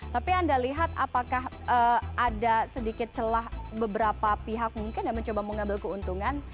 tapi anda lihat apakah ada sedikit celah beberapa pihak mungkin yang mencoba mengambil keuntungan